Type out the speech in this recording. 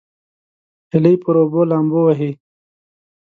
هیلۍ پر اوبو لامبو وهي